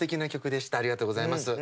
ありがとうございます。